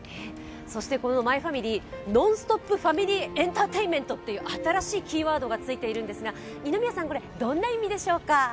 そしてこの「マイファミリー」ノンストップファミリーエンターテインメントという新しいキーワードがついているんですが、二宮さん、これどんな意味でしょうか？